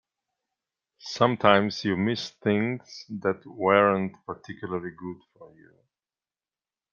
Sometimes you miss things that weren't particularly good for you.